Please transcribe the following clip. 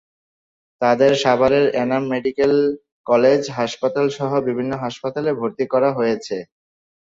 তাঁদের সাভারের Enam medical college হাসপাতালসহ বিভিন্ন হাসপাতালে ভর্তি করা হয়েছে।